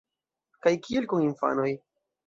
Kaj kiel kun infanoj?